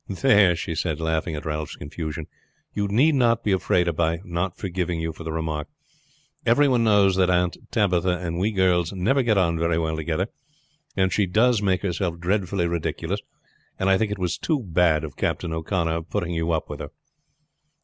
There," she said laughing at Ralph's confusion, "you need not be afraid about my not forgiving you for the remark. Everyone knows that Aunt Tabitha and we girls never get on very well together; and she does make herself dreadfully ridiculous, and I think it was too bad of Captain O'Connor putting you up with her."